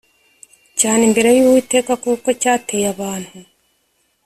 cyane imbere y uwiteka kuko cyateye abantu